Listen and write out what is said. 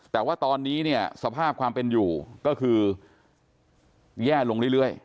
แต่ว่าตอนนี้เนี่ยสภาพความเป็นอยู่ก็คือแย่ลงเรื่อย